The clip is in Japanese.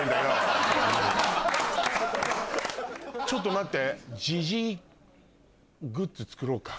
ちょっと待って。